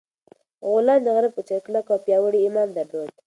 غلام د غره په څېر کلک او پیاوړی ایمان درلود.